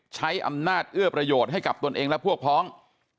ใช้อำนาจเอื้อประโยชน์ให้กับตนเองและพวกพ้อง